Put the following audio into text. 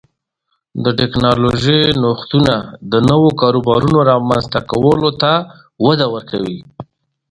د ټکنالوژۍ نوښتونه د نوو کاروبارونو رامنځته کولو ته وده ورکوي.